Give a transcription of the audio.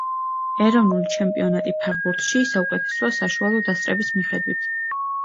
ეროვნული ჩემპიონატი ფეხბურთში საუკეთესოა საშუალო დასწრების მიხედვით.